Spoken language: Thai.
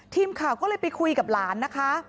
ทีมข่าวก็เลยไปคุยกับหลานนะคะ